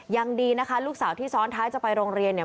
ยังดีนะคะลูกสาวที่ซ้อนท้ายจะไปโรงเรียนเนี่ย